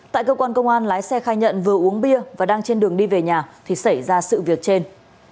tại cơ quan công an lái xe khai nhận vừa uống bia và đang trên đường đi về nhà thì xảy ra sự việc trên